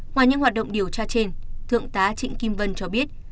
ngoài những hoạt động điều tra trên thượng tá trịnh kim vân cho biết